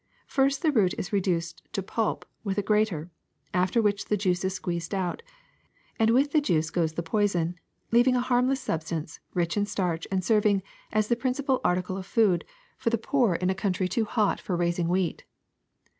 First the root is reduced to pulp with a grater, after which the juice is squeezed out, and with the juice goes the poison, leaving a harmless substance rich in starch and serving as the principal article of food for the ^74 THE SECRET OF EVERYDAY THINGS poor in a country too hot for raising wheat.